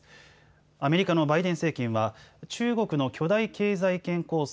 アメリカのバイデン政権は中国の巨大経済圏構想